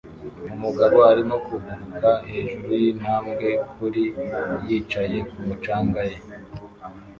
Umugabo arimo kuguruka hejuru yintambwe kuri yicaye kumu canga ye